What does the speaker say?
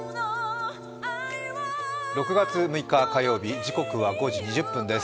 ６月６日火曜日、時刻は５時２０分です。